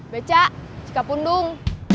beca cakap undung